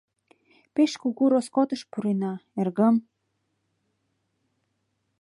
— Пеш кугу роскотыш пурена, эргым...